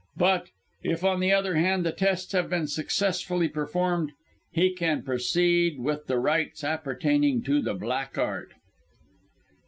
But if, on the other hand, the tests have been successfully performed, he can proceed with the rites appertaining to the Black Art."